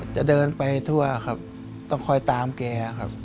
จะเดินไปทั่วครับต้องคอยตามแกครับ